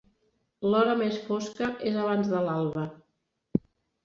L'hora més fosca és abans de l'alba.